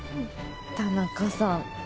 田中さん